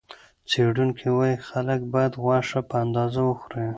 څېړونکي وايي، خلک باید غوښه په اندازه وخوري.